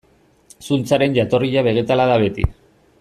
Zuntzaren jatorria begetala da beti.